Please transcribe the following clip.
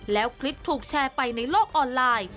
แล้วคลิปถูกแชร์ไปในโลกออนไลน์